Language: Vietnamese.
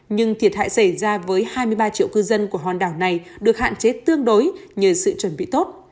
nhưng thiệt hại xảy ra với hai mươi ba triệu cư dân của hòn đảo này được hạn chế tương đối nhờ sự chuẩn bị tốt